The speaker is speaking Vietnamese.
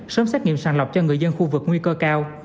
sớm xét nghiệm sàng lọc cho người dân khu vực nguy cơ cao